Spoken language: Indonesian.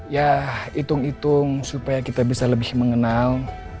ya hitung hitung supaya kita bisa lebih mengenal